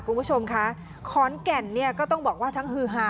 คุณผู้ชมคะขอนแก่นเนี่ยก็ต้องบอกว่าทั้งฮือฮา